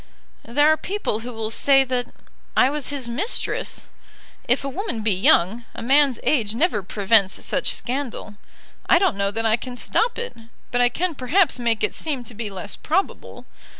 "There are people who will say that I was his mistress. If a woman be young, a man's age never prevents such scandal. I don't know that I can stop it, but I can perhaps make it seem to be less probable.